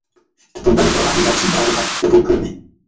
Teplota vypalování závisí právě na typu hlíny.